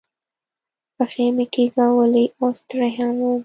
پښې مې کاږولې او ستړی هم ووم.